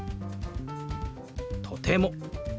「とても」。